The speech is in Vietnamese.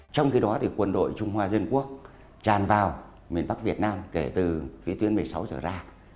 trong khi đó quân đội trung hoa dân quốc tràn vào miền bắc việt nam kể từ phía tuyến một mươi sáu giờ ra